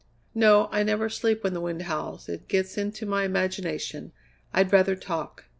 "No. I never sleep when the wind howls; it gets into my imagination. I'd rather talk.